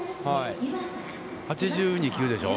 ８２球でしょう。